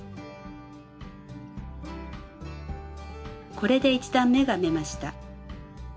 これで１段めが編めました。